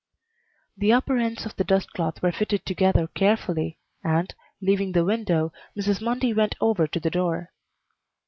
The upper ends of the dust cloth were fitted together carefully, and, leaving the window, Mrs. Mundy went over to the door.